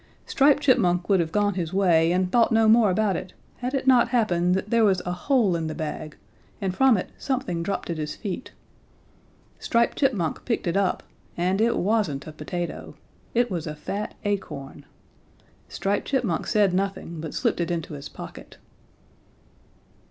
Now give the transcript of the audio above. Striped Chipmunk would have gone his way and thought no more about it, had it not happened that there was a hole in the bag and from it something dropped at his feet. Striped Chipmunk picked it up and it wasn't a potato. It was a fat acorn. Striped Chipmunk said nothing but slipped it into his pocket.